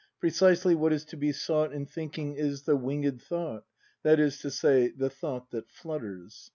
Precisely what is to be sought In thinking is "the winged thought,"— That is to say— the thought that flutters.